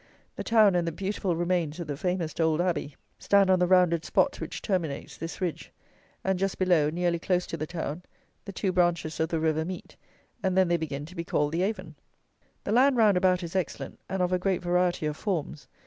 The town and the beautiful remains of the famous old Abbey stand on the rounded spot which terminates this ridge; and just below, nearly close to the town, the two branches of the river meet; and then they begin to be called the Avon. The land round about is excellent, and of a great variety of forms.